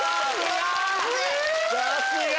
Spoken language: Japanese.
さすが！